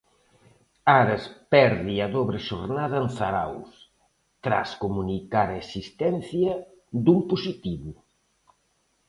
Ares perde a dobre xornada en Zarauz tras comunicar a existencia dun positivo.